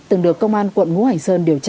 từng được công an quận ngũ hành sơn điều tra